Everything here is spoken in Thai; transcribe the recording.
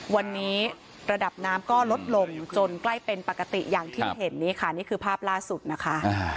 วันนี้ระดับน้ำก็ลดลงจนใกล้เป็นปกติอย่างที่เห็นนี่ค่ะนี่คือภาพล่าสุดนะคะ